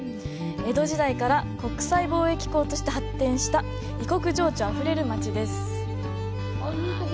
江戸時代から国際貿易港として発展した異国情緒あふれる町です。